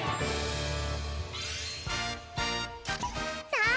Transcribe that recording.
さあ